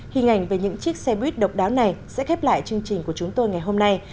hình ảnh về những chiếc xe buýt độc đáo này sẽ khép lại chương trình của chúng tôi ngày hôm nay